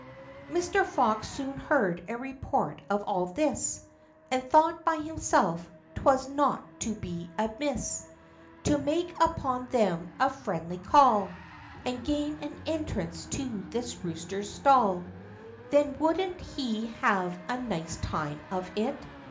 Mr. Fox soon heard a report of all this, And thought by himself, 'twould not be amiss To make upon them a friendly call, And gain an entrance to this rooster's stall. Then wouldn't he have a nice time of it!